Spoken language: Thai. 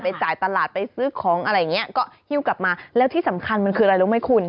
จ่ายตลาดไปซื้อของอะไรอย่างเงี้ยก็หิ้วกลับมาแล้วที่สำคัญมันคืออะไรรู้ไหมคุณ